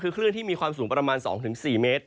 คือคลื่นที่มีความสูงประมาณ๒๔เมตร